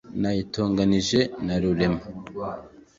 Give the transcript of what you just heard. Nayitonganije na Rurema,